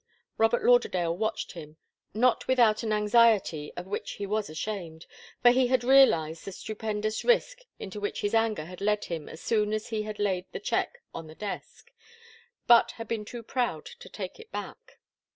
Robert Lauderdale watched him, not without an anxiety of which he was ashamed, for he had realized the stupendous risk into which his anger had led him as soon as he had laid the cheque on the desk, but had been too proud to take it back.